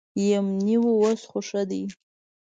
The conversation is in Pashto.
یمنی و اوس خو ښه دي.